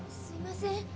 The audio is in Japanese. すいません